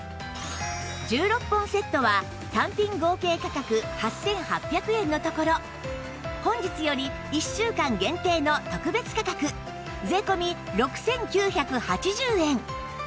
１６本セットは単品合計価格８８００円のところ本日より１週間限定の特別価格税込６９８０円